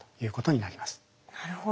なるほど。